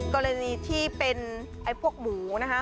กรณีที่เป็นพวกหมูนะครับ